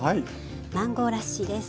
マンゴーラッシーです。